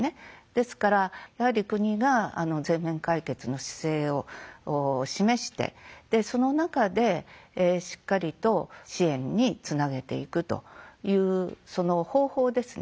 ですからやはり国が全面解決の姿勢を示してその中でしっかりと支援につなげていくというその方法ですね